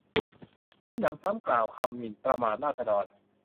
มิหนำซ้ำกล่าวคำหมิ่นประมาทราษฎร